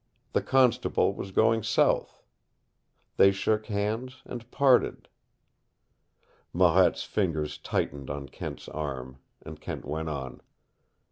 The constable was going south. They shook hands and parted." Marette's fingers tightened on Kent's arm. And Kent went on.